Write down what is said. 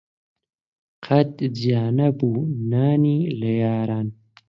قەت جیا نەبوو نانی لە یاران